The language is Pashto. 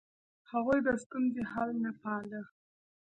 هغوی د ستونزې حل نه پاله.